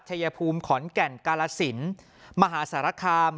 ชายภูมิขอนแก่นกาลสินมหาสารคาม